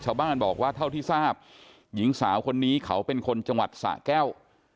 ชาวบ้านบอกว่าเท่าที่ทราบหญิงสาวคนนี้เขาเป็นคนจังหวัดสะแก้ว